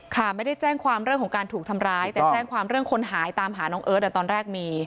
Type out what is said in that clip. ไม่ได้แจ้งความเรื่องของการถูกทำร้ายแต่แจ้งความเรื่องคนหายตามหาน้องเอิร์ทตอนแรกมี